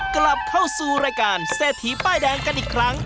กลับเข้าสู่รายการเศรษฐีป้ายแดงกันอีกครั้ง